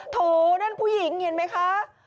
โถนั่นผู้หญิงเห็นไหมคะ